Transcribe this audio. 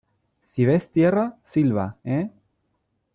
si ves tierra , silba ,¿ eh ?